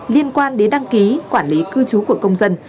liên quan đến đăng ký quản lý cư trú của công dân